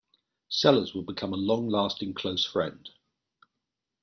Sellers would become a long-lasting close friend.